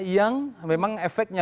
yang memang efeknya